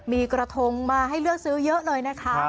มีกระทงมาให้เลือกซื้อเยอะเลยนะคะ